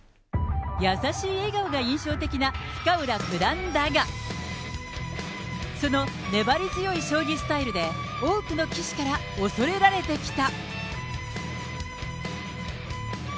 優しい笑顔が印象的な深浦九段だが、その粘り強い将棋スタイルで多くの棋士から恐れられてきた。